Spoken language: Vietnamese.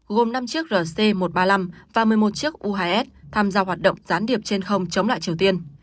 gồm năm chiếc rc một trăm ba mươi năm và một mươi một chiếc u hais tham gia hoạt động gián điệp trên không chống lại triều tiên